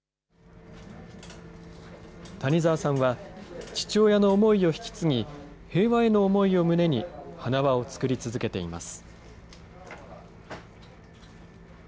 谷沢さんは、父親の思いを引き継ぎ、平和への思いを胸に花輪を作り続けています。